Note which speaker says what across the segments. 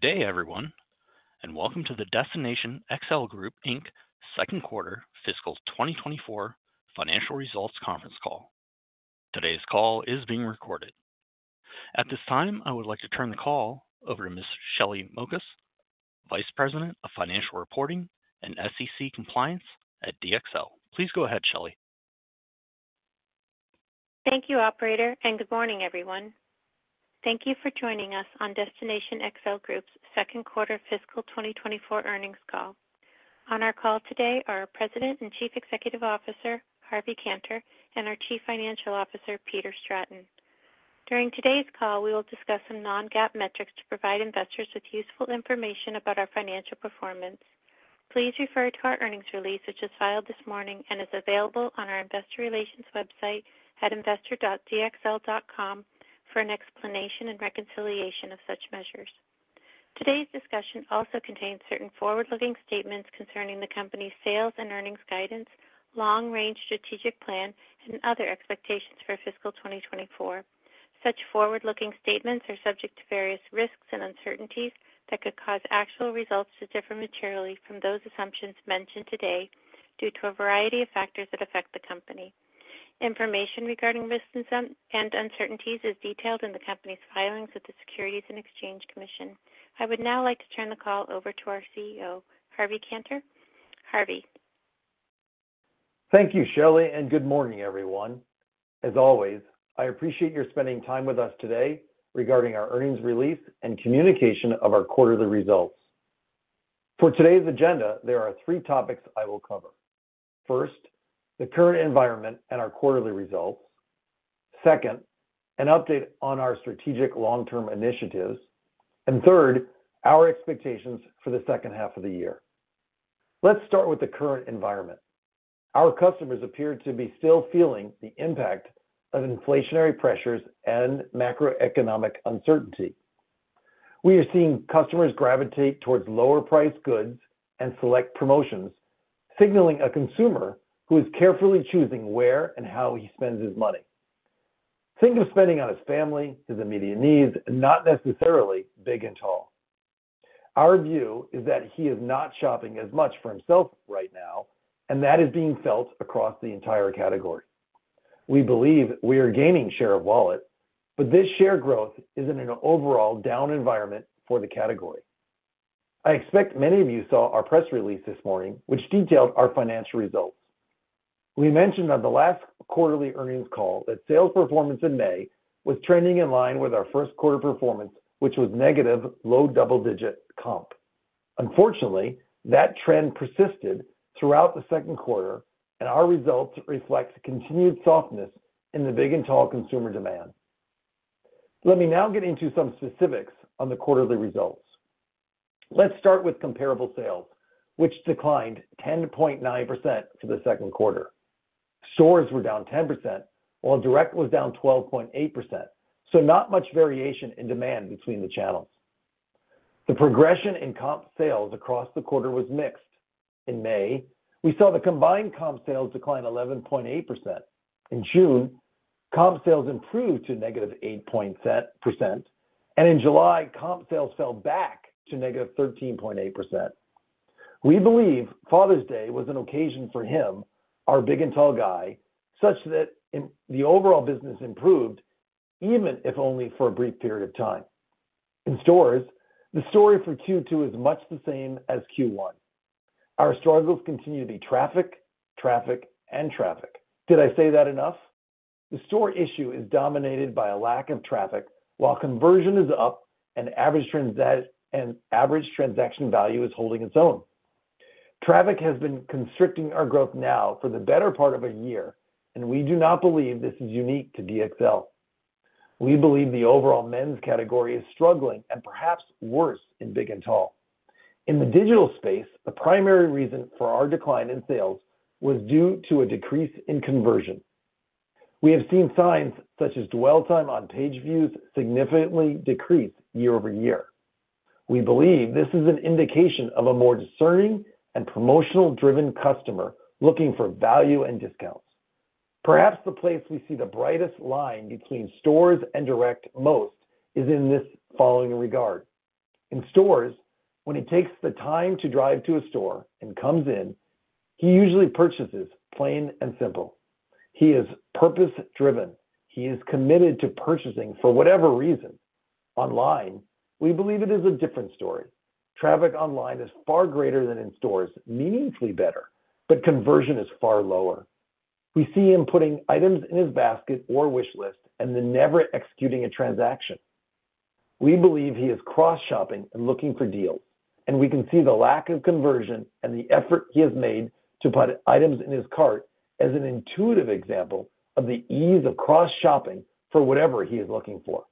Speaker 1: Good day, everyone, and welcome to the Destination XL Group, Inc second quarter fiscal 2024 financial results conference call. Today's call is being recorded. At this time, I would like to turn the call over to Ms. Shelly Mokas, Vice President of Financial Reporting and SEC Compliance at DXL. Please go ahead, Shelly.
Speaker 2: Thank you, operator, and good morning, everyone. Thank you for joining us on Destination XL Group's second quarter fiscal 2024 earnings call. On our call today are our President and Chief Executive Officer, Harvey Kanter, and our Chief Financial Officer, Peter Stratton. During today's call, we will discuss some non-GAAP metrics to provide investors with useful information about our financial performance. Please refer to our earnings release, which was filed this morning and is available on our investor relations website at investor.dxl.com for an explanation and reconciliation of such measures. Today's discussion also contains certain forward-looking statements concerning the company's sales and earnings guidance, long-range strategic plan, and other expectations for fiscal 2024. Such forward-looking statements are subject to various risks and uncertainties that could cause actual results to differ materially from those assumptions mentioned today due to a variety of factors that affect the company. Information regarding risks and uncertainties is detailed in the company's filings with the Securities and Exchange Commission. I would now like to turn the call over to our CEO, Harvey Kanter. Harvey?
Speaker 3: Thank you, Shelley, and good morning, everyone. As always, I appreciate your spending time with us today regarding our earnings release and communication of our quarterly results. For today's agenda, there are three topics I will cover. First, the current environment and our quarterly results. Second, an update on our strategic long-term initiatives. And third, our expectations for the second half of the year. Let's start with the current environment. Our customers appear to be still feeling the impact of inflationary pressures and macroeconomic uncertainty. We are seeing customers gravitate towards lower priced goods and select promotions, signaling a consumer who is carefully choosing where and how he spends his money. Think of spending on his family, his immediate needs, not necessarily big and tall. Our view is that he is not shopping as much for himself right now, and that is being felt across the entire category. We believe we are gaining share of wallet, but this share growth is in an overall down environment for the category. I expect many of you saw our press release this morning, which detailed our financial results. We mentioned on the last quarterly earnings call that sales performance in May was trending in line with our first quarter performance, which was negative low double-digit comp. Unfortunately, that trend persisted throughout the second quarter, and our results reflect continued softness in the big and tall consumer demand. Let me now get into some specifics on the quarterly results. Let's start with comparable sales, which declined 10.9% for the second quarter. Stores were down 10%, while direct was down 12.8%, so not much variation in demand between the channels. The progression in comp sales across the quarter was mixed. In May, we saw the combined comp sales decline 11.8%. In June, comp sales improved to negative 8.7%, and in July, comp sales fell back to negative 13.8%. We believe Father's Day was an occasion for him, our big and tall guy, such that in the overall business improved, even if only for a brief period of time. In stores, the story for Q2 is much the same as Q1. Our struggles continue to be traffic, traffic, and traffic. Did I say that enough? The store issue is dominated by a lack of traffic, while conversion is up and average transaction and average transaction value is holding its own. Traffic has been constricting our growth now for the better part of a year, and we do not believe this is unique to DXL. We believe the overall men's category is struggling and perhaps worse in big and tall. In the digital space, the primary reason for our decline in sales was due to a decrease in conversion. We have seen signs such as dwell time on page views significantly decrease year over year. We believe this is an indication of a more discerning and promotional-driven customer looking for value and discounts. Perhaps the place we see the brightest line between stores and direct most is in this following regard. In stores, when he takes the time to drive to a store and comes in, he usually purchases, plain and simple. He is purpose-driven. He is committed to purchasing for whatever reason. Online, we believe it is a different story. Traffic online is far greater than in stores, meaningfully better, but conversion is far lower. We see him putting items in his basket or wish list and then never executing a transaction. We believe he is cross-shopping and looking for deals, and we can see the lack of conversion and the effort he has made to put items in his cart as an intuitive example of the ease of cross-shopping for whatever he is looking for.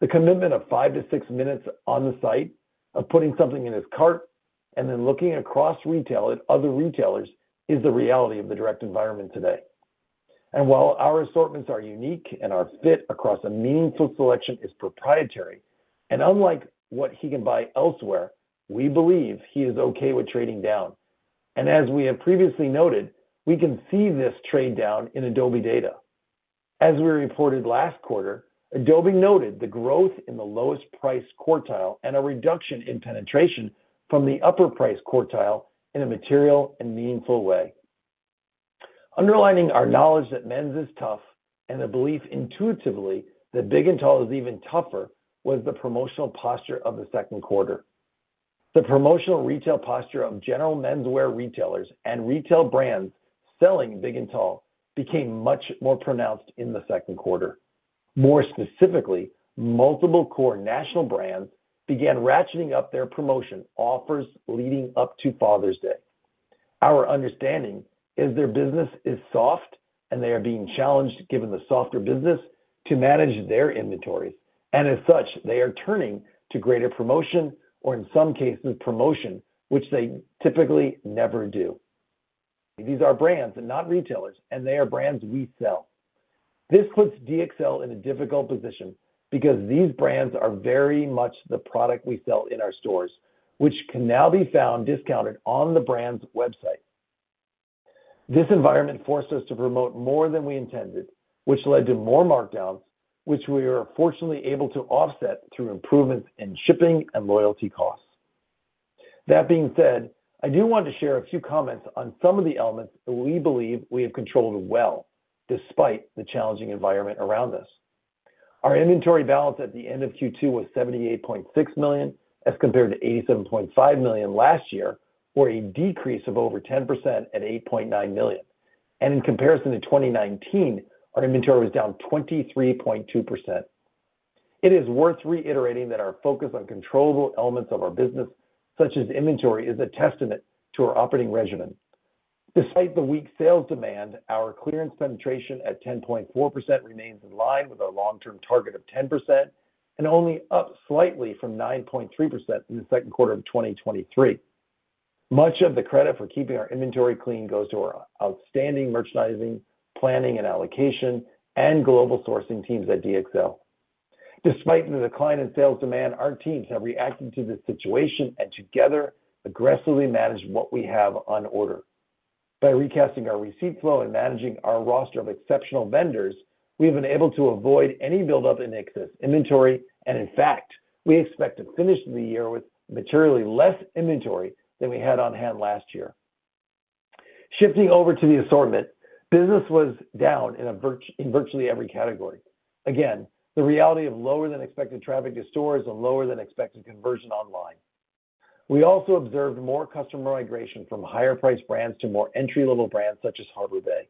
Speaker 3: The commitment of five to six minutes on the site, of putting something in his cart and then looking across retail at other retailers, is the reality of the direct environment today, and while our assortments are unique and our fit across a meaningful selection is proprietary, and unlike what he can buy elsewhere, we believe he is okay with trading down. As we have previously noted, we can see this trade-down in Adobe data. As we reported last quarter, Adobe noted the growth in the lowest price quartile and a reduction in penetration from the upper price quartile in a material and meaningful way. Underlining our knowledge that men's is tough, and the belief intuitively that big and tall is even tougher, was the promotional posture of the second quarter. The promotional retail posture of general menswear retailers and retail brands selling big and tall became much more pronounced in the second quarter. More specifically, multiple core national brands began ratcheting up their promotion offers leading up to Father's Day. Our understanding is their business is soft, and they are being challenged, given the softer business, to manage their inventories, and as such, they are turning to greater promotion, or in some cases, promotion, which they typically never do. These are brands and not retailers, and they are brands we sell. This puts DXL in a difficult position because these brands are very much the product we sell in our stores, which can now be found discounted on the brand's website. This environment forced us to promote more than we intended, which led to more markdowns, which we are fortunately able to offset through improvements in shipping and loyalty costs. That being said, I do want to share a few comments on some of the elements that we believe we have controlled well, despite the challenging environment around us. Our inventory balance at the end of Q2 was $78.6 million, as compared to $87.5 million last year, or a decrease of over 10% at $8.9 million. In comparison to 2019, our inventory was down 23.2%. It is worth reiterating that our focus on controllable elements of our business, such as inventory, is a testament to our operating regimen. Despite the weak sales demand, our clearance penetration at 10.4% remains in line with our long-term target of 10% and only up slightly from 9.3% in the second quarter of 2023. Much of the credit for keeping our inventory clean goes to our outstanding merchandising, planning and allocation, and global sourcing teams at DXL. Despite the decline in sales demand, our teams have reacted to this situation and together, aggressively managed what we have on order. By recasting our receipt flow and managing our roster of exceptional vendors, we've been able to avoid any buildup in excess inventory, and in fact, we expect to finish the year with materially less inventory than we had on hand last year. Shifting over to the assortment, business was down in virtually every category. Again, the reality of lower than expected traffic to stores and lower than expected conversion online. We also observed more customer migration from higher priced brands to more entry-level brands such as Harbor Bay.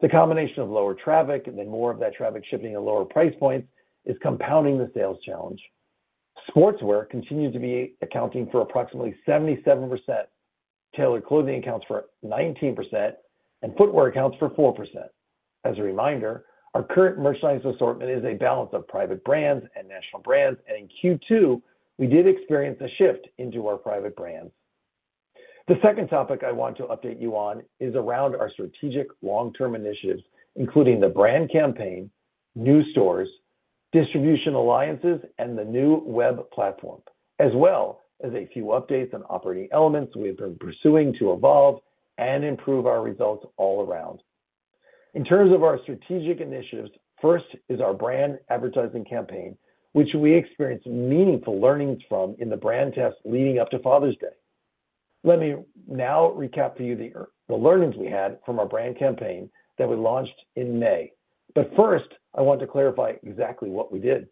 Speaker 3: The combination of lower traffic and then more of that traffic shifting at lower price points is compounding the sales challenge. Sportswear continues to be accounting for approximately 77%, tailored clothing accounts for 19%, and footwear accounts for 4%. As a reminder, our current merchandise assortment is a balance of private brands and national brands, and in Q2, we did experience a shift into our private brands. The second topic I want to update you on is around our strategic long-term initiatives, including the brand campaign, new stores, distribution alliances, and the new web platform, as well as a few updates on operating elements we have been pursuing to evolve and improve our results all around. In terms of our strategic initiatives, first is our brand advertising campaign, which we experienced meaningful learnings from in the brand test leading up to Father's Day. Let me now recap to you the learnings we had from our brand campaign that we launched in May. But first, I want to clarify exactly what we did.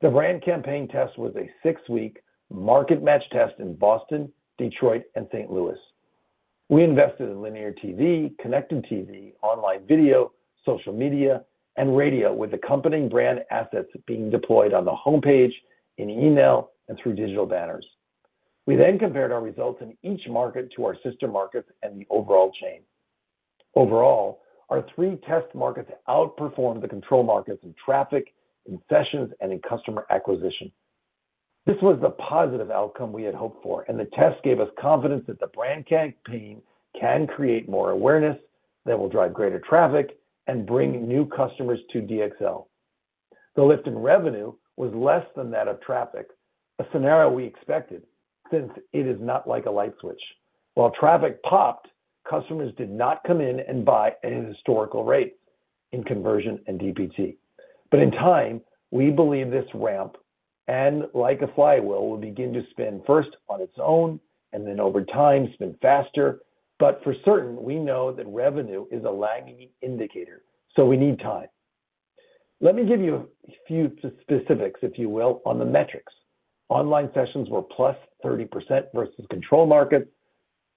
Speaker 3: The brand campaign test was a six-week market match test in Boston, Detroit, and St. Louis. We invested in linear TV, connected TV, online video, social media, and radio, with accompanying brand assets being deployed on the homepage, in email, and through digital banners. We then compared our results in each market to our system markets and the overall chain. Overall, our three test markets outperformed the control markets in traffic, in sessions, and in customer acquisition. This was the positive outcome we had hoped for, and the test gave us confidence that the brand campaign can create more awareness, that will drive greater traffic and bring new customers to DXL. The lift in revenue was less than that of traffic, a scenario we expected, since it is not like a light switch. While traffic popped, customers did not come in and buy at a historical rate in conversion and DPT. But in time, we believe this ramp, and like a flywheel, will begin to spin first on its own and then over time, spin faster. But for certain, we know that revenue is a lagging indicator, so we need time. Let me give you a few specifics, if you will, on the metrics. Online sessions were +30% versus control markets.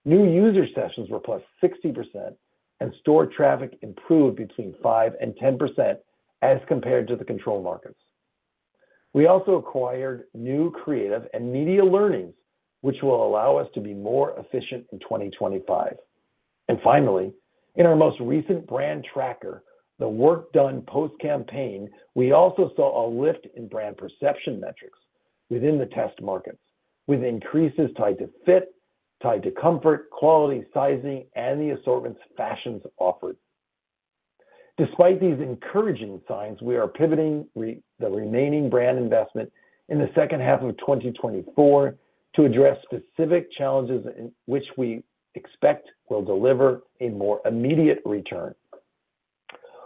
Speaker 3: New user sessions were +60%, and store traffic improved between 5% and 10% as compared to the control markets. We also acquired new creative and media learnings, which will allow us to be more efficient in 2025. Finally, in our most recent brand tracker, the work done post-campaign, we also saw a lift in brand perception metrics within the test markets, with increases tied to fit, tied to comfort, quality, sizing, and the assortments fashions offered. Despite these encouraging signs, we are pivoting the remaining brand investment in the second half of 2024 to address specific challenges in which we expect will deliver a more immediate return.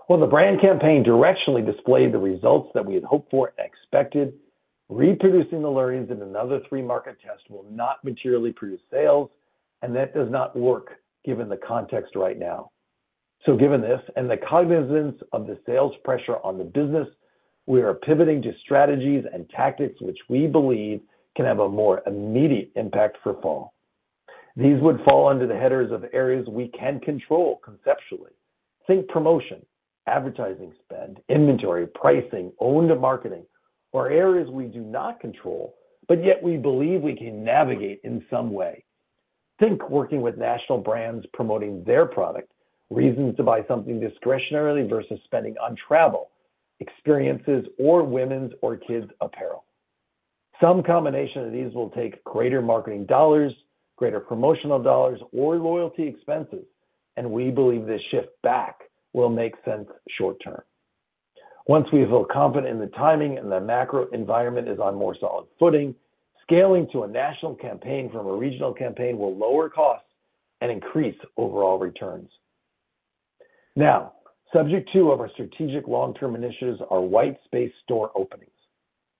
Speaker 3: The brand campaign directionally displayed the results that we had hoped for and expected. Reproducing the learnings in another three-market test will not materially produce sales, and that does not work given the context right now. So given this, and the cognizance of the sales pressure on the business, we are pivoting to strategies and tactics which we believe can have a more immediate impact for fall. These would fall under the headers of areas we can control conceptually. Think promotion, advertising spend, inventory, pricing, owned marketing, or areas we do not control, but yet we believe we can navigate in some way. Think working with national brands promoting their product, reasons to buy something discretionary versus spending on travel, experiences, or women's or kids' apparel. Some combination of these will take greater marketing dollars, greater promotional dollars, or loyalty expenses, and we believe this shift back will make sense short term. Once we feel confident in the timing and the macro environment is on more solid footing, scaling to a national campaign from a regional campaign will lower costs and increase overall returns. Now, one of our strategic long-term initiatives are white space store openings.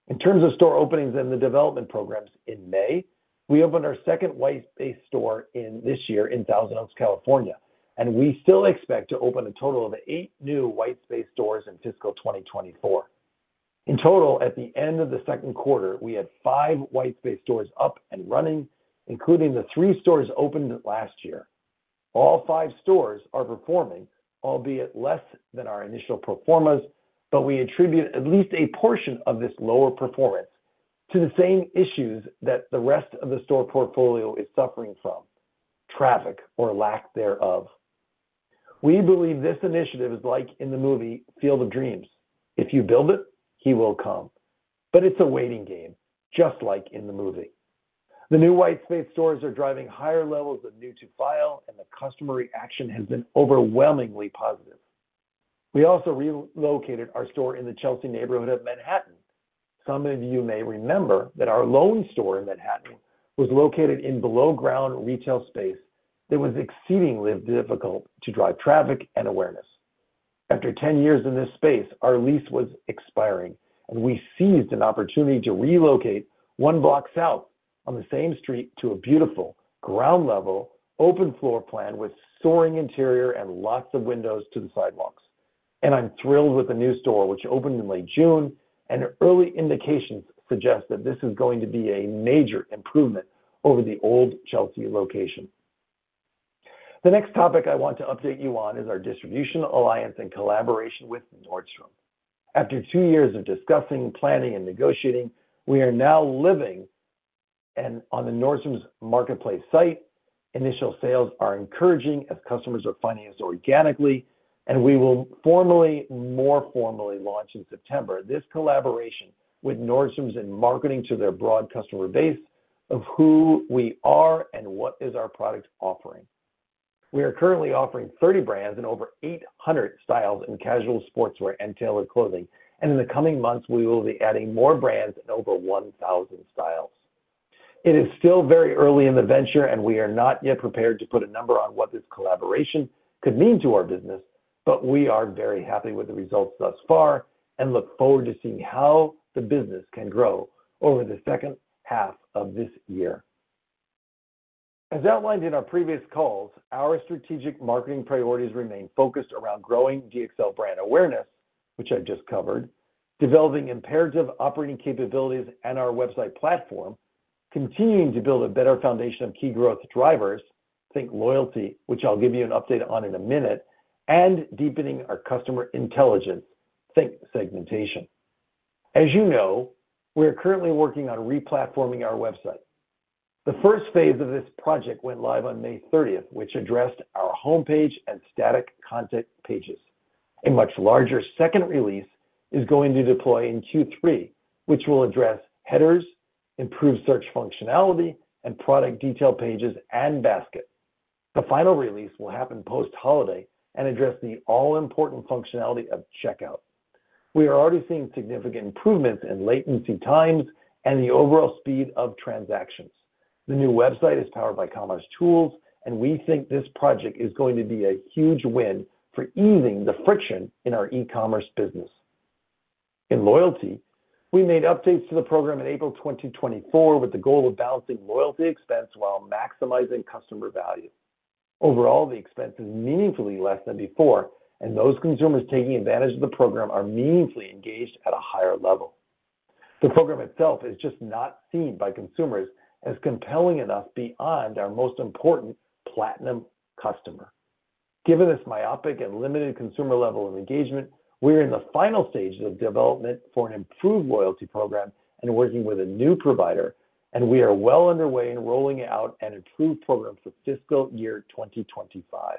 Speaker 3: In terms of store openings and the development programs in May, we opened our second white space store in this year in Thousand Oaks, California, and we still expect to open a total of eight new white space stores in fiscal 2024. In total, at the end of the second quarter, we had five white space stores up and running, including the three stores opened last year. All five stores are performing, albeit less than our initial pro formas, but we attribute at least a portion of this lower performance to the same issues that the rest of the store portfolio is suffering from, traffic or lack thereof. We believe this initiative is like in the movie Field of Dreams. If you build it, he will come, but it's a waiting game, just like in the movie. The new white space stores are driving higher levels of new to file, and the customer reaction has been overwhelmingly positive. We also relocated our store in the Chelsea neighborhood of Manhattan. Some of you may remember that our lone store in Manhattan was located in below-ground retail space that was exceedingly difficult to drive traffic and awareness. After ten years in this space, our lease was expiring, and we seized an opportunity to relocate one block south on the same street to a beautiful ground level, open floor plan with soaring interior and lots of windows to the sidewalks, and I'm thrilled with the new store, which opened in late June, and early indications suggest that this is going to be a major improvement over the old Chelsea location. The next topic I want to update you on is our distribution alliance and collaboration with Nordstrom. After two years of discussing, planning, and negotiating, we are now live on the Nordstrom marketplace site. Initial sales are encouraging as customers are finding us organically, and we will more formally launch in September. This collaboration with Nordstrom is in marketing to their broad customer base of who we are and what is our product offering. We are currently offering 30 brands and over 800 styles in casual sportswear and tailored clothing, and in the coming months, we will be adding more brands and over 1,000 styles. It is still very early in the venture, and we are not yet prepared to put a number on what this collaboration could mean to our business, but we are very happy with the results thus far and look forward to seeing how the business can grow over the second half of this year. As outlined in our previous calls, our strategic marketing priorities remain focused around growing DXL brand awareness, which I just covered, developing imperative operating capabilities and our website platform, continuing to build a better foundation of key growth drivers, think loyalty, which I'll give you an update on in a minute, and deepening our customer intelligence, think segmentation. As you know, we are currently working on replatforming our website. The first phase of this project went live on May thirtieth, which addressed our homepage and static content pages. A much larger second release is going to deploy in Q3, which will address headers, improved search functionality, and product detail pages and basket. The final release will happen post-holiday and address the all-important functionality of checkout. We are already seeing significant improvements in latency times and the overall speed of transactions. The new website is powered by commercetools, and we think this project is going to be a huge win for easing the friction in our e-commerce business. In loyalty, we made updates to the program in April twenty twenty-four, with the goal of balancing loyalty expense while maximizing customer value. Overall, the expense is meaningfully less than before, and those consumers taking advantage of the program are meaningfully engaged at a higher level. The program itself is just not seen by consumers as compelling enough beyond our most important Platinum customer. Given this myopic and limited consumer level of engagement, we are in the final stages of development for an improved loyalty program and working with a new provider, and we are well underway in rolling out an improved program for fiscal year 2025.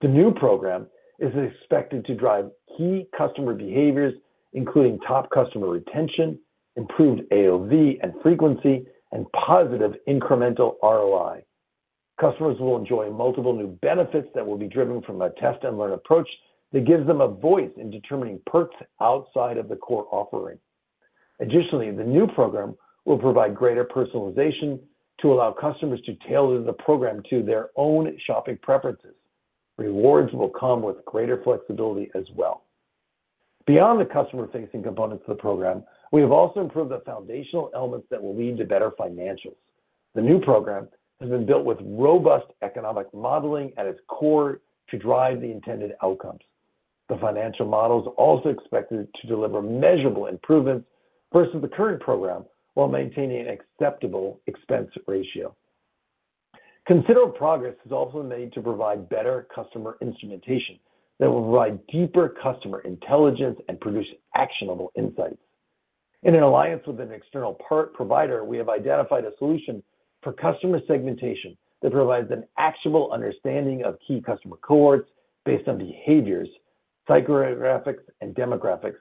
Speaker 3: The new program is expected to drive key customer behaviors, including top customer retention, improved AOV and frequency, and positive incremental ROI. Customers will enjoy multiple new benefits that will be driven from a test-and-learn approach that gives them a voice in determining perks outside of the core offering. Additionally, the new program will provide greater personalization to allow customers to tailor the program to their own shopping preferences. Rewards will come with greater flexibility as well. Beyond the customer-facing components of the program, we have also improved the foundational elements that will lead to better financials. The new program has been built with robust economic modeling at its core to drive the intended outcomes. The financial model is also expected to deliver measurable improvements versus the current program, while maintaining an acceptable expense ratio. Considerable progress is also made to provide better customer instrumentation that will provide deeper customer intelligence and produce actionable insights. In an alliance with an external partner provider, we have identified a solution for customer segmentation that provides an actionable understanding of key customer cohorts based on behaviors, psychographics, and demographics.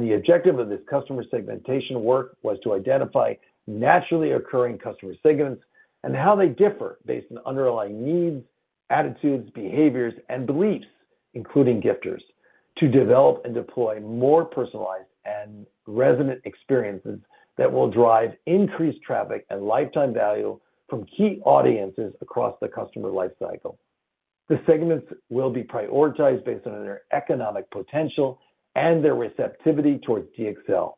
Speaker 3: The objective of this customer segmentation work was to identify naturally occurring customer segments and how they differ based on underlying needs, attitudes, behaviors, and beliefs, including gifters, to develop and deploy more personalized and resonant experiences that will drive increased traffic and lifetime value from key audiences across the customer life cycle. The segments will be prioritized based on their economic potential and their receptivity towards DXL.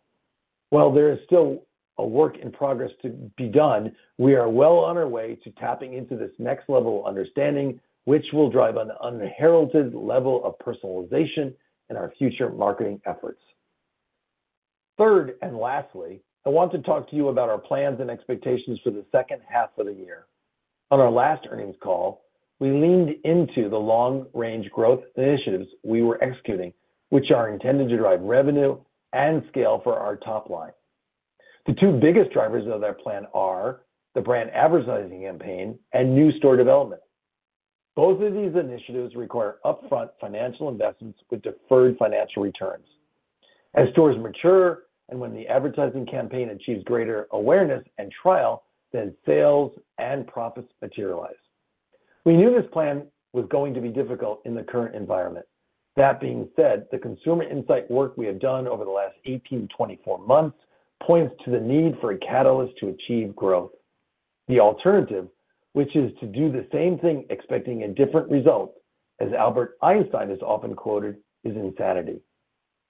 Speaker 3: While there is still a work in progress to be done, we are well on our way to tapping into this next level of understanding, which will drive an unheralded level of personalization in our future marketing efforts. Third, and lastly, I want to talk to you about our plans and expectations for the second half of the year. On our last earnings call, we leaned into the long-range growth initiatives we were executing, which are intended to drive revenue and scale for our top line. The two biggest drivers of that plan are the brand advertising campaign and new store development. Both of these initiatives require upfront financial investments with deferred financial returns. As stores mature, and when the advertising campaign achieves greater awareness and trial, then sales and profits materialize. We knew this plan was going to be difficult in the current environment. That being said, the consumer insight work we have done over the last 18-24 months points to the need for a catalyst to achieve growth. The alternative, which is to do the same thing, expecting a different result, as Albert Einstein is often quoted, is insanity.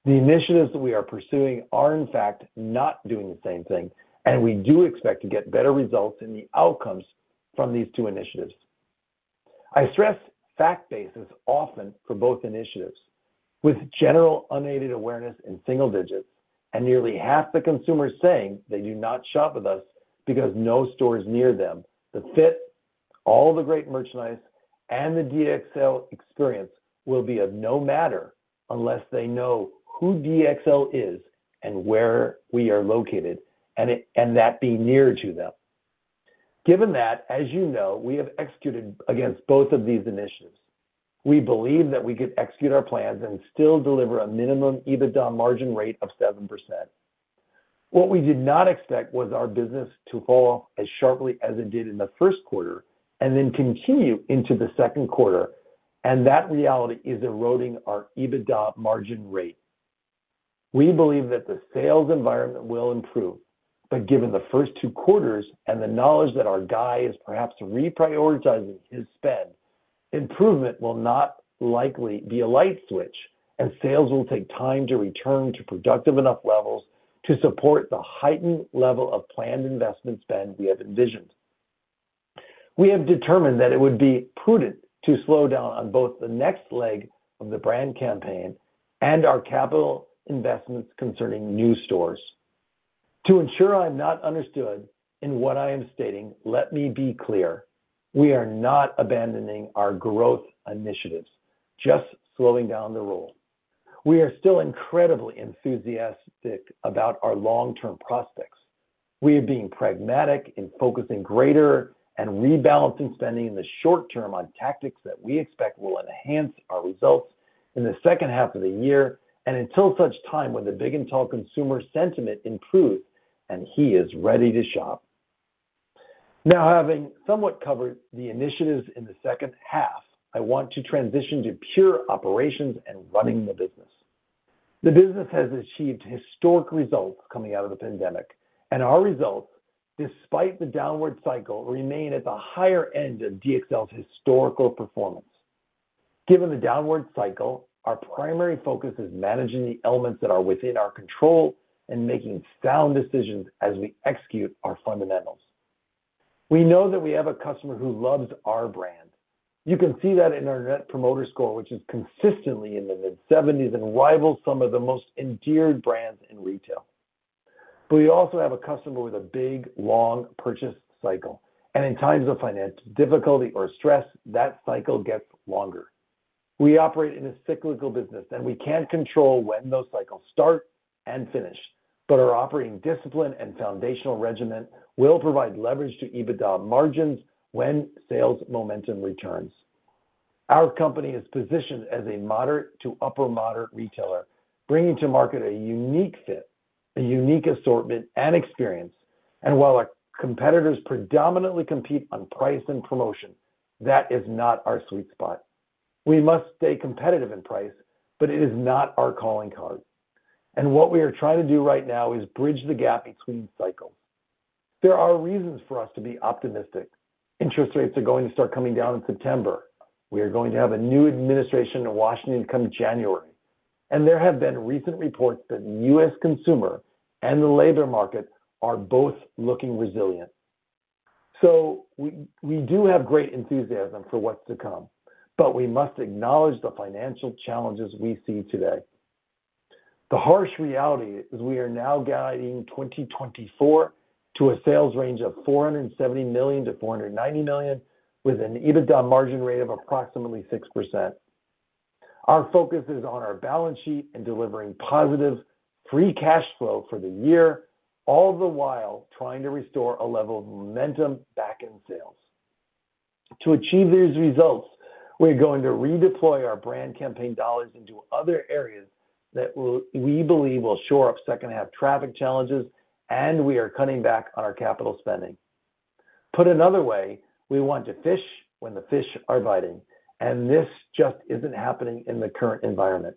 Speaker 3: The initiatives that we are pursuing are, in fact, not doing the same thing, and we do expect to get better results in the outcomes from these two initiatives. I stress fact bases often for both initiatives. With general unaided awareness in single digits and nearly half the consumers saying they do not shop with us because no store is near them, the fit, all the great merchandise, and the DXL experience will be of no matter unless they know who DXL is and where we are located, and that being near to them. Given that, as you know, we have executed against both of these initiatives. We believe that we could execute our plans and still deliver a minimum EBITDA margin rate of 7%. What we did not expect was our business to fall as sharply as it did in the first quarter and then continue into the second quarter, and that reality is eroding our EBITDA margin rate. We believe that the sales environment will improve, but given the first two quarters and the knowledge that our guy is perhaps reprioritizing his spend, improvement will not likely be a light switch, and sales will take time to return to productive enough levels to support the heightened level of planned investment spend we have envisioned. We have determined that it would be prudent to slow down on both the next leg of the brand campaign and our capital investments concerning new stores. To ensure I'm not understood in what I am stating, let me be clear: We are not abandoning our growth initiatives, just slowing down the roll. We are still incredibly enthusiastic about our long-term prospects. We are being pragmatic in focusing greater and rebalancing spending in the short term on tactics that we expect will enhance our results in the second half of the year and until such time when the big and tall consumer sentiment improves and he is ready to shop. Now, having somewhat covered the initiatives in the second half, I want to transition to pure operations and running the business. The business has achieved historic results coming out of the pandemic, and our results, despite the downward cycle, remain at the higher end of DXL's historical performance. Given the downward cycle, our primary focus is managing the elements that are within our control and making sound decisions as we execute our fundamentals. We know that we have a customer who loves our brand. You can see that in our Net Promoter Score, which is consistently in the mid-seventies and rivals some of the most endeared brands in retail, but we also have a customer with a big, long purchase cycle, and in times of financial difficulty or stress, that cycle gets longer. We operate in a cyclical business, and we can't control when those cycles start and finish, but our operating discipline and foundational regimen will provide leverage to EBITDA margins when sales momentum returns. Our company is positioned as a moderate to upper moderate retailer, bringing to market a unique fit, a unique assortment and experience, and while our competitors predominantly compete on price and promotion, that is not our sweet spot.... We must stay competitive in price, but it is not our calling card, and what we are trying to do right now is bridge the gap between cycles. There are reasons for us to be optimistic. Interest rates are going to start coming down in September. We are going to have a new administration in Washington come January, and there have been recent reports that the U.S. consumer and the labor market are both looking resilient. So we do have great enthusiasm for what's to come, but we must acknowledge the financial challenges we see today. The harsh reality is we are now guiding 2024 to a sales range of $470 million-$490 million, with an EBITDA margin rate of approximately 6%. Our focus is on our balance sheet and delivering positive free cash flow for the year, all the while trying to restore a level of momentum back in sales. To achieve these results, we're going to redeploy our brand campaign dollars into other areas that will, we believe, will shore up second half traffic challenges, and we are cutting back on our capital spending. Put another way, we want to fish when the fish are biting, and this just isn't happening in the current environment.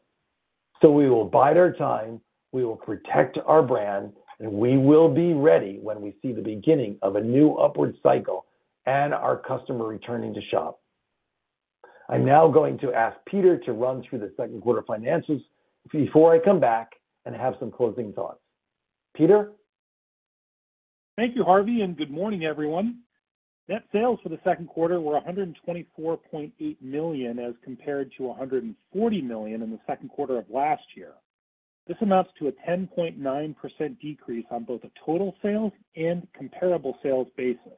Speaker 3: So we will bide our time, we will protect our brand, and we will be ready when we see the beginning of a new upward cycle and our customer returning to shop. I'm now going to ask Peter to run through the second quarter finances before I come back and have some closing thoughts. Peter?
Speaker 4: Thank you, Harvey, and good morning, everyone. Net sales for the second quarter were $124.8 million, as compared to $140 million in the second quarter of last year. This amounts to a 10.9% decrease on both a total sales and comparable sales basis.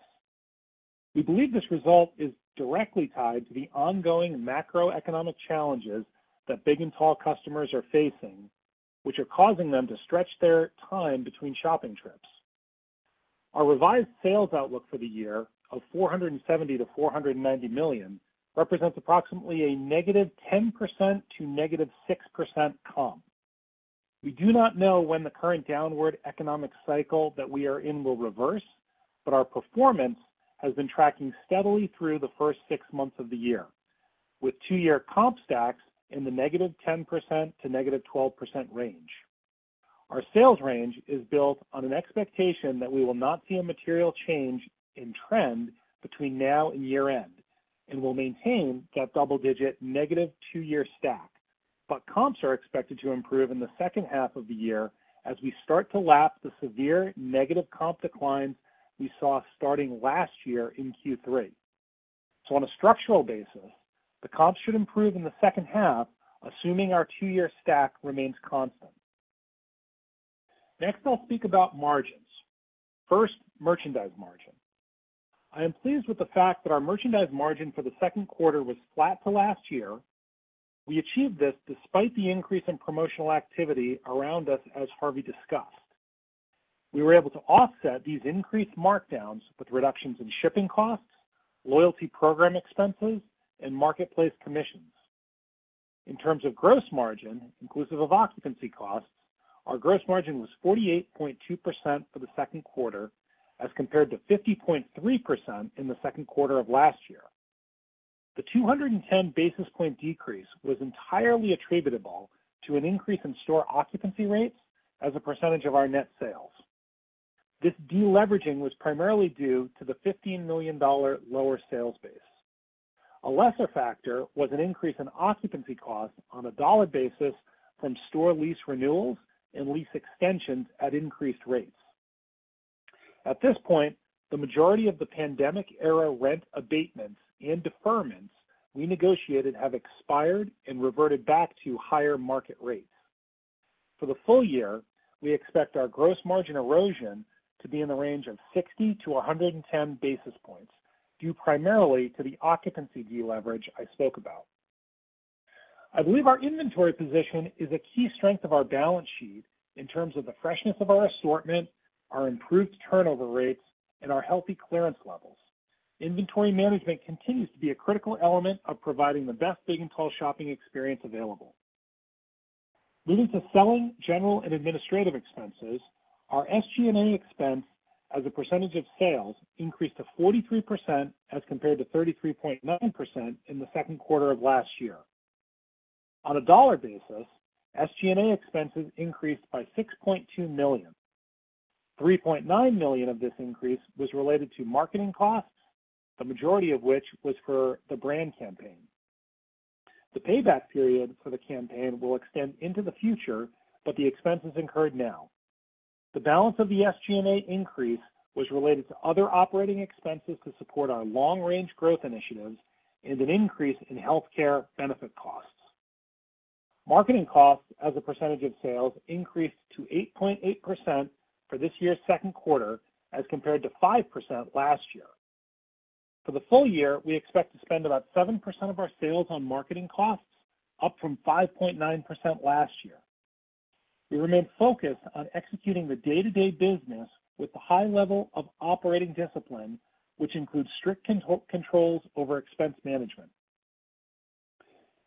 Speaker 4: We believe this result is directly tied to the ongoing macroeconomic challenges that big and tall customers are facing, which are causing them to stretch their time between shopping trips. Our revised sales outlook for the year of $470 million-$490 million represents approximately a -10% to -6% comp. We do not know when the current downward economic cycle that we are in will reverse, but our performance has been tracking steadily through the first six months of the year, with two-year comp stacks in the -10% to -12% range. Our sales range is built on an expectation that we will not see a material change in trend between now and year-end, and will maintain that double-digit negative two-year stack. But comps are expected to improve in the second half of the year as we start to lap the severe negative comp declines we saw starting last year in Q3. So on a structural basis, the comps should improve in the second half, assuming our two-year stack remains constant. Next, I'll speak about margins. First, merchandise margin. I am pleased with the fact that our merchandise margin for the second quarter was flat to last year. We achieved this despite the increase in promotional activity around us, as Harvey discussed. We were able to offset these increased markdowns with reductions in shipping costs, loyalty program expenses, and marketplace commissions. In terms of gross margin, inclusive of occupancy costs, our gross margin was 48.2% for the second quarter, as compared to 50.3% in the second quarter of last year. The 210 basis points decrease was entirely attributable to an increase in store occupancy rates as a percentage of our net sales. This deleveraging was primarily due to the $15 million lower sales base. A lesser factor was an increase in occupancy costs on a dollar basis from store lease renewals and lease extensions at increased rates. At this point, the majority of the pandemic-era rent abatements and deferments we negotiated have expired and reverted back to higher market rates. For the full year, we expect our gross margin erosion to be in the range of 60 to 110 basis points, due primarily to the occupancy deleverage I spoke about. I believe our inventory position is a key strength of our balance sheet in terms of the freshness of our assortment, our improved turnover rates, and our healthy clearance levels. Inventory management continues to be a critical element of providing the best Big and Tall shopping experience available. Moving to selling, general and administrative expenses, our SG&A expense as a percentage of sales increased to 43%, as compared to 33.9% in the second quarter of last year. On a dollar basis, SG&A expenses increased by $6.2 million. $3.9 million of this increase was related to marketing costs, the majority of which was for the brand campaign. The payback period for the campaign will extend into the future, but the expense is incurred now. The balance of the SG&A increase was related to other operating expenses to support our long-range growth initiatives and an increase in healthcare benefit costs. Marketing costs, as a percentage of sales, increased to 8.8% for this year's second quarter, as compared to 5% last year. For the full year, we expect to spend about 7% of our sales on marketing costs, up from 5.9% last year. We remain focused on executing the day-to-day business with a high level of operating discipline, which includes strict controls over expense management.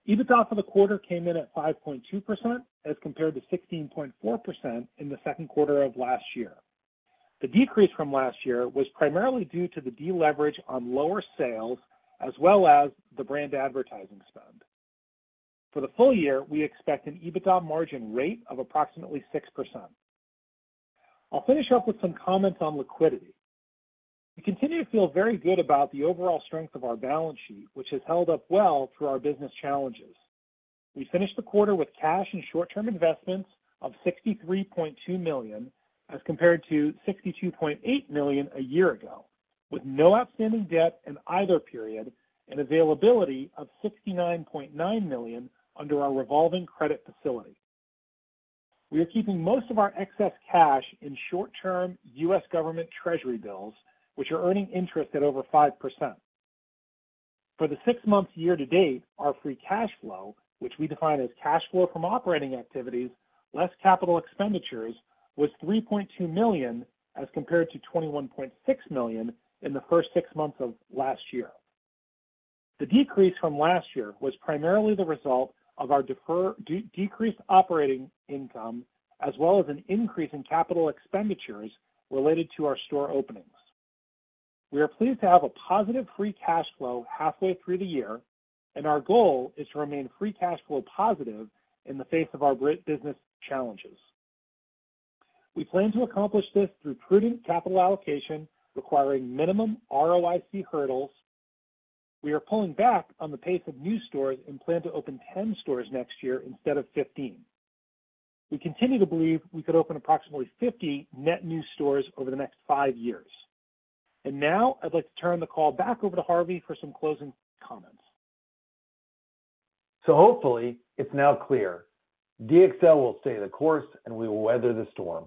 Speaker 4: EBITDA for the quarter came in at 5.2%, as compared to 16.4% in the second quarter of last year. The decrease from last year was primarily due to the deleverage on lower sales, as well as the brand advertising spend. For the full year, we expect an EBITDA margin rate of approximately 6%. I'll finish up with some comments on liquidity. We continue to feel very good about the overall strength of our balance sheet, which has held up well through our business challenges. We finished the quarter with cash and short-term investments of $63.2 million, as compared to $62.8 million a year ago, with no outstanding debt in either period and availability of $69.9 million under our revolving credit facility. We are keeping most of our excess cash in short-term U.S. government treasury bills, which are earning interest at over 5%. For the six months year to date, our free cash flow, which we define as cash flow from operating activities, less capital expenditures, was $3.2 million as compared to $21.6 million in the first six months of last year. The decrease from last year was primarily the result of our decreased operating income, as well as an increase in capital expenditures related to our store openings. We are pleased to have a positive free cash flow halfway through the year, and our goal is to remain free cash flow positive in the face of our business challenges. We plan to accomplish this through prudent capital allocation, requiring minimum ROIC hurdles. We are pulling back on the pace of new stores and plan to open ten stores next year instead of fifteen. We continue to believe we could open approximately fifty net new stores over the next five years, and now I'd like to turn the call back over to Harvey for some closing comments.
Speaker 3: So hopefully it's now clear, DXL will stay the course, and we will weather the storm.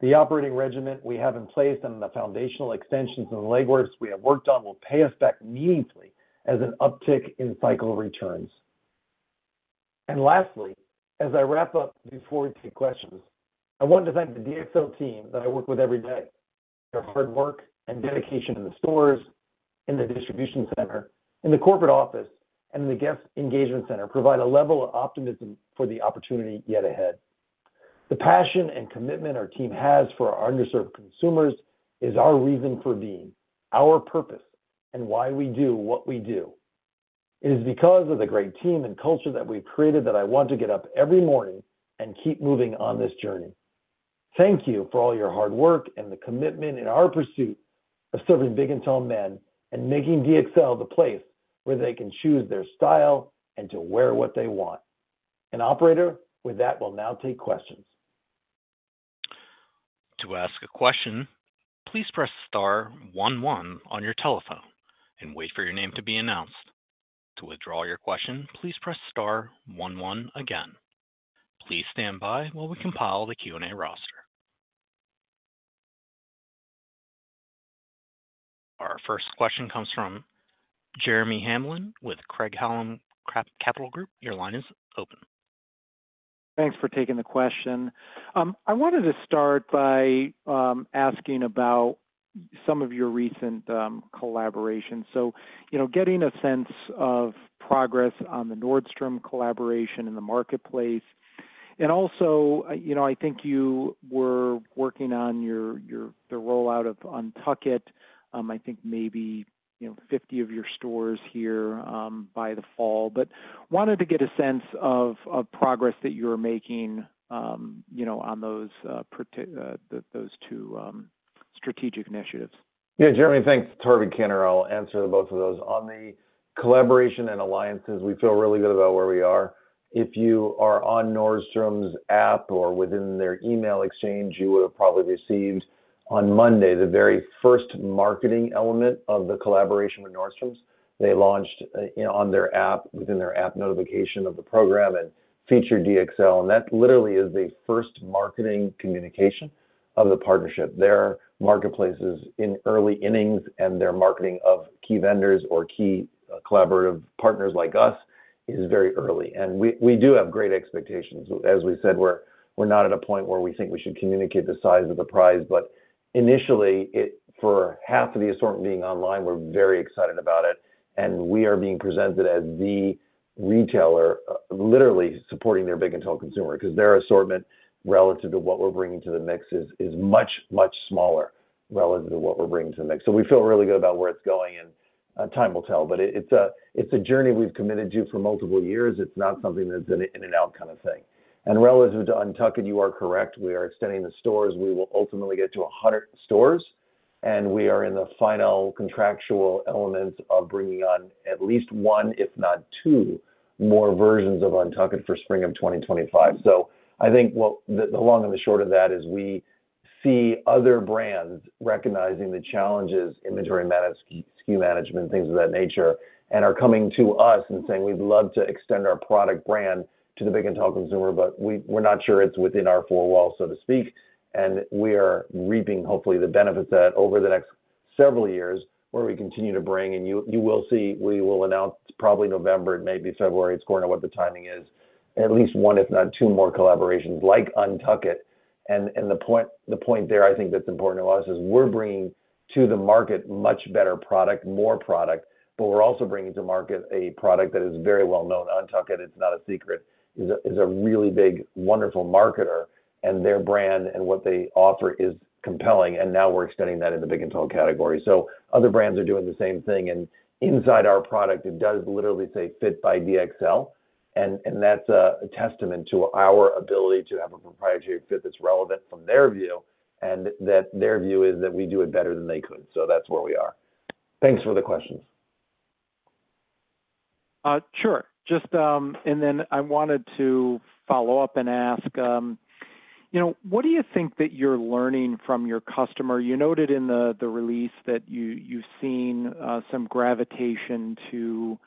Speaker 3: The operating regimen we have in place and the foundational extensions and legwork we have worked on will pay us back meaningfully as an uptick in cycle returns. And lastly, as I wrap up before we take questions, I want to thank the DXL team that I work with every day. Their hard work and dedication in the stores, in the distribution center, in the corporate office, and in the Guest Engagement Center provide a level of optimism for the opportunity yet ahead. The passion and commitment our team has for our underserved consumers is our reason for being, our purpose, and why we do what we do. It is because of the great team and culture that we've created that I want to get up every morning and keep moving on this journey. Thank you for all your hard work and the commitment in our pursuit of serving big and tall men and making DXL the place where they can choose their style and to wear what they want. And operator, with that, we'll now take questions.
Speaker 1: To ask a question, please press star one one on your telephone and wait for your name to be announced. To withdraw your question, please press star one one again. Please stand by while we compile the Q&A roster. Our first question comes from Jeremy Hamblin with Craig-Hallum Capital Group. Your line is open.
Speaker 5: Thanks for taking the question. I wanted to start by asking about some of your recent collaborations, so you know, getting a sense of progress on the Nordstrom collaboration in the marketplace, and also, you know, I think you were working on the rollout of UNTUCKit, I think maybe, you know, 50 of your stores here by the fall, but wanted to get a sense of progress that you're making, you know, on those two strategic initiatives.
Speaker 3: Yeah, Jeremy, thanks. It's Harvey Kanter. I'll answer both of those. On the collaboration and alliances, we feel really good about where we are. If you are on Nordstrom's app or within their email exchange, you would have probably received on Monday, the very first marketing element of the collaboration with Nordstrom's. They launched on their app, within their app notification of the program and featured DXL, and that literally is the first marketing communication of the partnership. Their marketplace is in early innings, and their marketing of key vendors or key collaborative partners like us is very early, and we do have great expectations. As we said, we're not at a point where we think we should communicate the size of the prize, but initially, it, for half of the assortment being online, we're very excited about it, and we are being presented as the retailer literally supporting their big and tall consumer, because their assortment, relative to what we're bringing to the mix, is much smaller relative to what we're bringing to the mix. So we feel really good about where it's going, and time will tell. But it, it's a journey we've committed to for multiple years. It's not something that's an in-and-out kind of thing. And relative to UNTUCKit, you are correct. We are extending the stores. We will ultimately get to a hundred stores, and we are in the final contractual elements of bringing on at least one, if not two, more versions of UNTUCKit for spring of 2025. So I think what the long and the short of that is, we see other brands recognizing the challenges, inventory SKU management, things of that nature, and are coming to us and saying, "We'd love to extend our product brand to the big and tall consumer, but we're not sure it's within our four walls," so to speak. And we are reaping, hopefully, the benefits of that over the next several years, where we continue to bring and you will see, we will announce probably November, it may be February, it's according to what the timing is, at least one, if not two more collaborations like UNTUCKit. The point there, I think that's important to us is we're bringing to the market a much better product, more product, but we're also bringing to market a product that is very well known. UNTUCKit, it's not a secret, is a really big, wonderful marketer, and their brand and what they offer is compelling, and now we're extending that in the big and tall category. Other brands are doing the same thing, and inside our product, it does literally say, "Fit by DXL." That's a testament to our ability to have a proprietary fit that's relevant from their view, and that their view is that we do it better than they could. That's where we are. Thanks for the questions.
Speaker 5: Sure. Just, and then I wanted to follow up and ask, you know, what do you think that you're learning from your customer? You noted in the release that you, you've seen, some gravitation to,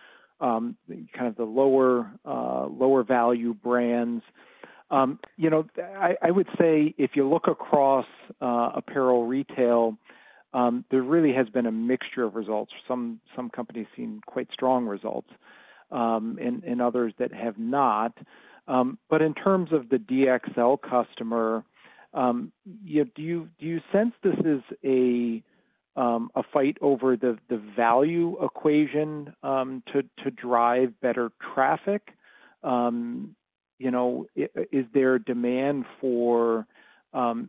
Speaker 5: kind of the lower value brands. You know, I would say if you look across apparel retail, there really has been a mixture of results. Some companies have seen quite strong results, and others that have not. But in terms of the DXL customer, yeah, do you sense this is a fight over the value equation, to drive better traffic? You know, is there demand for,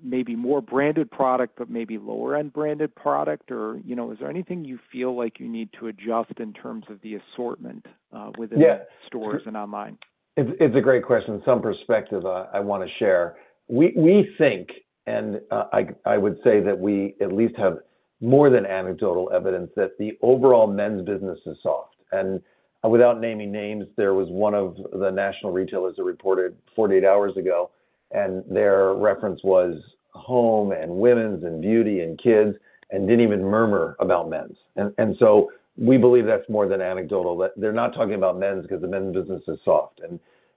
Speaker 5: maybe more branded product, but maybe lower-end branded product? Or, you know, is there anything you feel like you need to adjust in terms of the assortment within-
Speaker 3: Yeah
Speaker 5: the stores and online?
Speaker 3: It's a great question. Some perspective I wanna share. We think, and I would say that we at least have more than anecdotal evidence that the overall men's business is soft, and without naming names, there was one of the national retailers that reported 48 hours ago, and their reference was home and women's and beauty and kids, and didn't even murmur about men's, and so we believe that's more than anecdotal, that they're not talking about men's because the men's business is soft,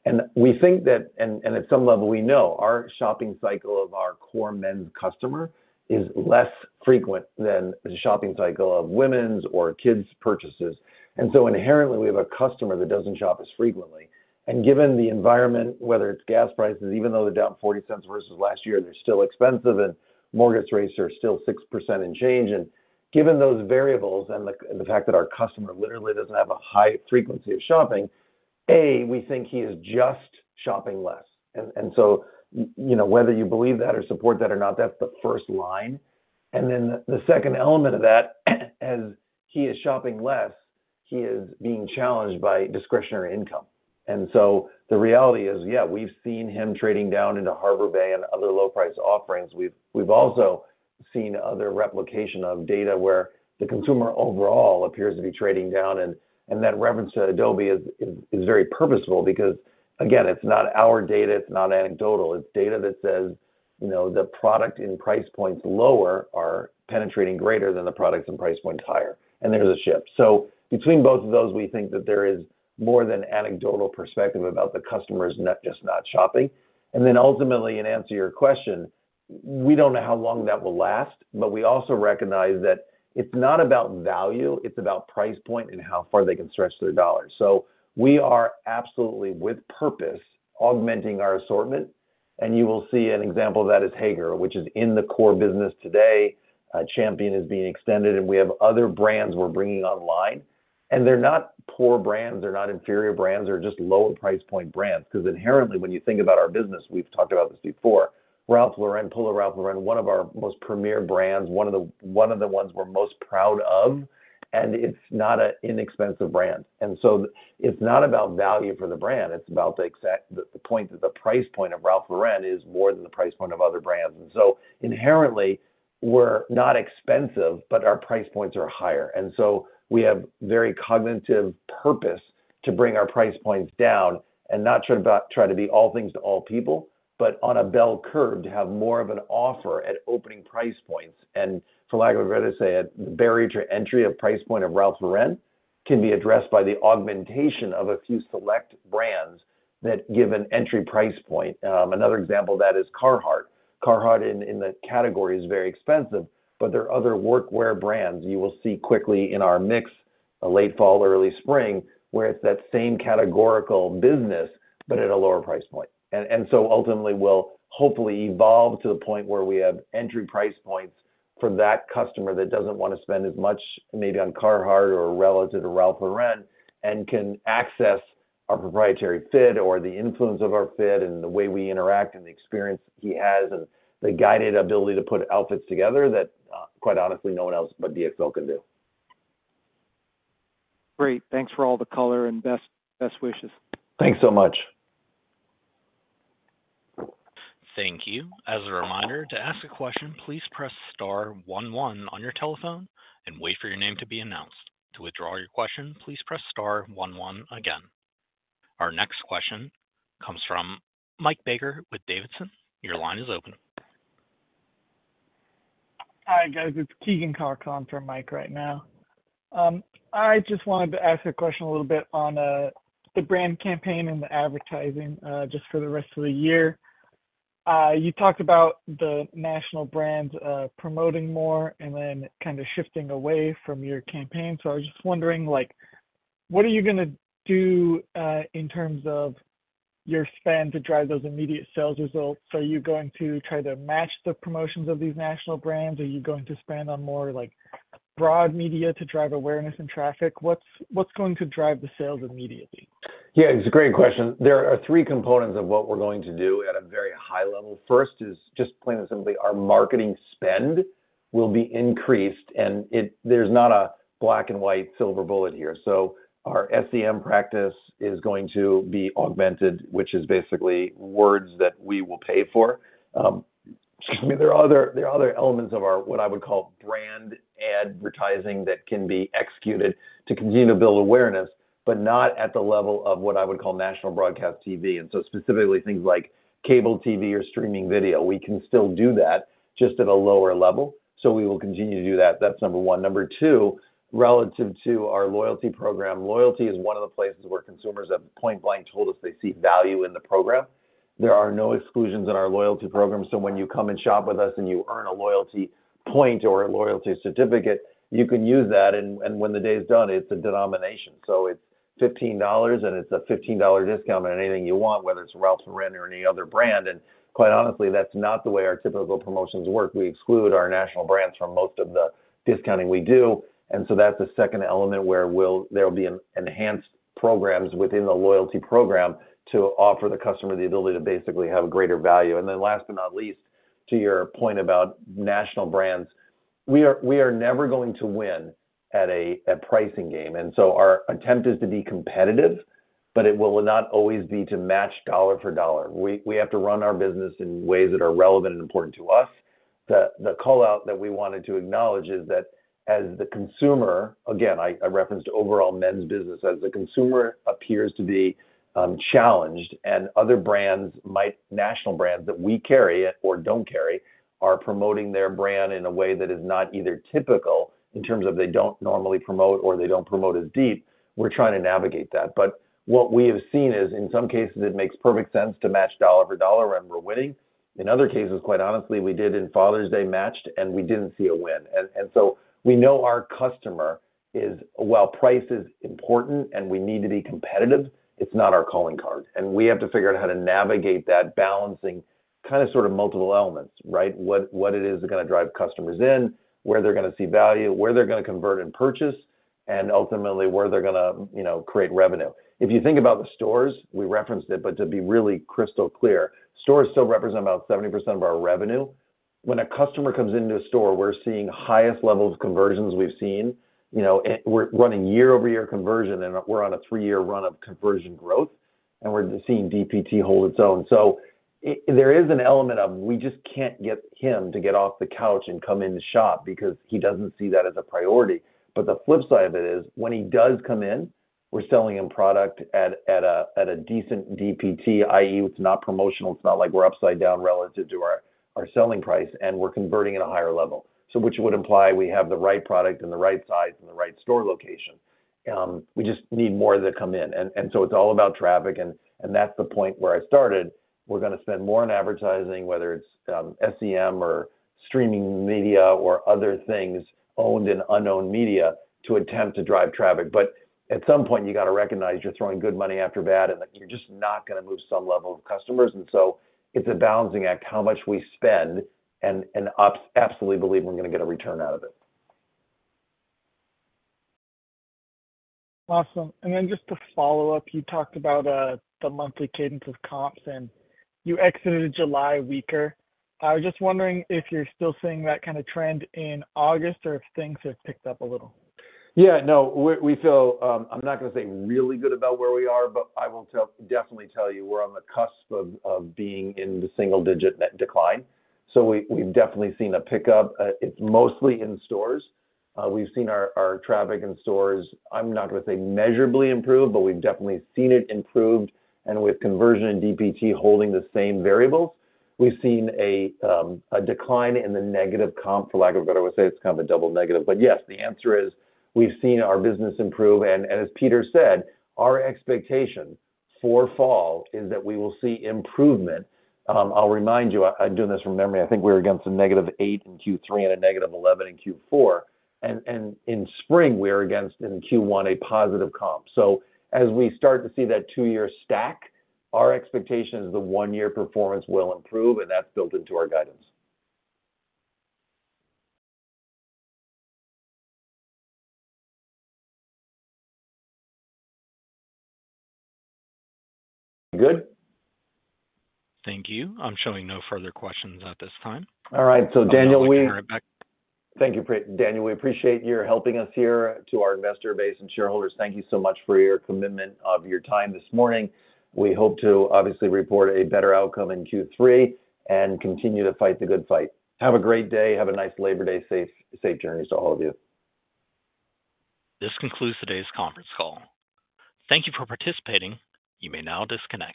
Speaker 3: and we think that at some level we know our shopping cycle of our core men's customer is less frequent than the shopping cycle of women's or kids' purchases, and so inherently we have a customer that doesn't shop as frequently. Given the environment, whether it's gas prices, even though they're down forty cents versus last year, they're still expensive, and mortgage rates are still 6% and change. Given those variables and the fact that our customer literally doesn't have a high frequency of shopping, we think he is just shopping less. So, you know, whether you believe that or support that or not, that's the first line. Then the second element of that, as he is shopping less, he is being challenged by discretionary income. So the reality is, yeah, we've seen him trading down into Harbor Bay and other low-price offerings. We've also seen other replication of data where the consumer overall appears to be trading down, and that reference to Adobe is very purposeful because, again, it's not our data, it's not anecdotal. It's data that says, you know, the product in price points lower are penetrating greater than the products in price points higher, and there's a shift, so between both of those, we think that there is more than anecdotal perspective about the customers not just not shopping, and then ultimately, and to answer your question, we don't know how long that will last, but we also recognize that it's not about value, it's about price point and how far they can stretch their dollars, so we are absolutely, with purpose, augmenting our assortment, and you will see an example of that is Haggar, which is in the core business today. Champion is being extended, and we have other brands we're bringing online, and they're not poor brands, they're not inferior brands, they're just lower price point brands. Because inherently, when you think about our business, we've talked about this before, Ralph Lauren, Polo Ralph Lauren, one of our most premier brands, one of the ones we're most proud of, and it's not an inexpensive brand. And so it's not about value for the brand, it's about the exact point, that the price point of Ralph Lauren is more than the price point of other brands. And so inherently, we're not expensive, but our price points are higher. And so we have very cognizant purpose to bring our price points down and not try to be all things to all people, but on a bell curve, to have more of an offer at opening price points. I would rather say a barrier to entry of price point of Ralph Lauren can be addressed by the augmentation of a few select brands that give an entry price point. Another example of that is Carhartt. Carhartt in the category is very expensive, but there are other workwear brands you will see quickly in our mix, late fall, early spring, where it's that same categorical business, but at a lower price point. Ultimately, we'll hopefully evolve to the point where we have entry price points for that customer that doesn't want to spend as much, maybe on Carhartt or relative to Ralph Lauren, and can access our proprietary fit or the influence of our fit and the way we interact and the experience he has, and the guided ability to put outfits together that, quite honestly, no one else but DXL can do.
Speaker 5: Great. Thanks for all the color and best, best wishes.
Speaker 3: Thanks so much.
Speaker 1: Thank you. As a reminder, to ask a question, please press star one one on your telephone and wait for your name to be announced. To withdraw your question, please press star one one again. Our next question comes from Mike Baker with Davidson. Your line is open.
Speaker 6: Hi, guys, it's Keegan Cox on for Mike right now. I just wanted to ask a question a little bit on the brand campaign and the advertising just for the rest of the year. You talked about the national brands promoting more and then kind of shifting away from your campaign. So I was just wondering, like, what are you gonna do in terms of your spend to drive those immediate sales results? Are you going to try to match the promotions of these national brands? Are you going to spend on more, like, broad media to drive awareness and traffic? What's going to drive the sales immediately?
Speaker 3: Yeah, it's a great question. There are three components of what we're going to do at a very high level. First is just plain and simply, our marketing spend will be increased, and it, there's not a black-and-white silver bullet here. So our SEM practice is going to be augmented, which is basically words that we will pay for. I mean, there are other elements of our, what I would call, brand advertising that can be executed to continue to build awareness, but not at the level of what I would call national broadcast TV, and so specifically things like cable TV or streaming video. We can still do that, just at a lower level, so we will continue to do that. That's number one. Number two, relative to our loyalty program, loyalty is one of the places where consumers have point-blank told us they see value in the program. There are no exclusions in our loyalty program, so when you come and shop with us and you earn a loyalty point or a loyalty certificate, you can use that, and when the day is done, it's a denomination. So it's $15, and it's a $15 discount on anything you want, whether it's Ralph Lauren or any other brand. And quite honestly, that's not the way our typical promotions work. We exclude our national brands from most of the discounting we do, and so that's the second element where there'll be enhanced programs within the loyalty program to offer the customer the ability to basically have greater value. And then last but not least, to your point about national brands, we are never going to win at a pricing game, and so our attempt is to be competitive, but it will not always be to match dollar for dollar. We have to run our business in ways that are relevant and important to us. The call-out that we wanted to acknowledge is that as the consumer... Again, I referenced overall men's business. As the consumer appears to be challenged and other brands might, national brands that we carry or don't carry, are promoting their brand in a way that is not either typical, in terms of they don't normally promote or they don't promote as deep, we're trying to navigate that. But what we have seen is, in some cases, it makes perfect sense to match dollar for dollar, and we're winning. In other cases, quite honestly, we did, in Father's Day, matched, and we didn't see a win. And so we know our customer is, while price is important and we need to be competitive, it's not our calling card, and we have to figure out how to navigate that balancing kind of, sort of multiple elements, right? What it is that's gonna drive customers in, where they're gonna see value, where they're gonna convert and purchase, and ultimately, where they're gonna, you know, create revenue. If you think about the stores, we referenced it, but to be really crystal clear, stores still represent about 70% of our revenue. When a customer comes into a store, we're seeing highest levels of conversions we've seen. You know, we're running year-over-year conversion, and we're on a three-year run of conversion growth, and we're seeing DPT hold its own. So there is an element of, we just can't get him to get off the couch and come in to shop because he doesn't see that as a priority. But the flip side of it is, when he does come in, we're selling him product at a decent DPT, i.e., it's not promotional, it's not like we're upside down relative to our selling price, and we're converting at a higher level. So which would imply we have the right product and the right size and the right store location. We just need more of them to come in. And so it's all about traffic, and that's the point where I started. We're gonna spend more on advertising, whether it's SEM or streaming media or other things, owned and earned media, to attempt to drive traffic. But at some point, you got to recognize you're throwing good money after bad, and that you're just not gonna move some level of customers. And so it's a balancing act, how much we spend and absolutely believe we're gonna get a return out of it.
Speaker 6: Awesome. And then just to follow up, you talked about the monthly cadence of comps, and you exited July weaker. I was just wondering if you're still seeing that kind of trend in August or if things have picked up a little?
Speaker 3: Yeah. No, we feel, I'm not gonna say really good about where we are, but I will definitely tell you we're on the cusp of being in the single digit net decline. So we've definitely seen a pickup. It's mostly in stores. We've seen our traffic in stores, I'm not gonna say measurably improved, but we've definitely seen it improved, and with conversion in DPT holding the same variables, we've seen a decline in the negative comp, for lack of a better word. I would say it's kind of a double negative. But yes, the answer is, we've seen our business improve, and as Peter said, our expectation for fall is that we will see improvement. I'll remind you, I'm doing this from memory. I think we were against a negative eight in Q3 and a -11% in Q4. And in spring, we are against in Q1 a positive comp. So as we start to see that two-year stack, our expectation is the one-year performance will improve, and that's built into our guidance. Good?
Speaker 1: Thank you. I'm showing no further questions at this time.
Speaker 3: All right, so Daniel, we-...
Speaker 1: Rebecca.
Speaker 3: Thank you, Daniel. We appreciate your helping us here. To our investor base and shareholders, thank you so much for your commitment of your time this morning. We hope to obviously report a better outcome in Q3 and continue to fight the good fight. Have a great day. Have a nice Labor Day. Safe, safe journeys to all of you.
Speaker 1: This concludes today's conference call. Thank you for participating. You may now disconnect.